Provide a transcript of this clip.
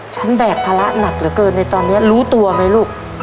แบกภาระหนักเหลือเกินในตอนนี้รู้ตัวไหมลูก